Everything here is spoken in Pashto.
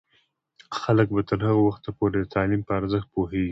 خلک به تر هغه وخته پورې د تعلیم په ارزښت پوهیږي.